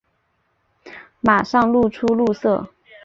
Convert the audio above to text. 马上露出怒色